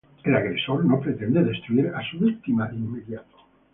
El agresor no pretende destruir a su víctima de inmediato.